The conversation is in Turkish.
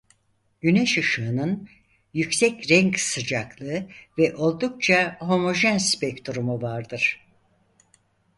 Güneş ışığının yüksek renk sıcaklığı ve oldukça homojen spektrumu vardır.